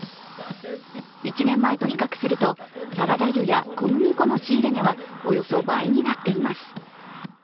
１年前と比較するとサラダ油や小麦粉の仕入れ値はおよそ倍になっています。